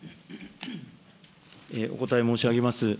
お答え申し上げます。